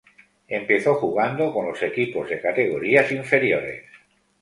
Empezó jugando con los equipos de categorías inferiores.